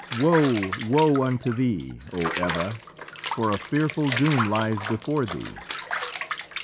Woe, woe unto thee, O Eva, for a fearful doom lies before thee!"